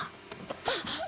はっ！